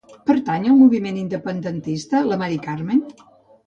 Pertany al moviment independentista la Mari Carmen?